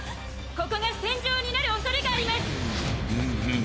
ここが戦場になる恐れがあります！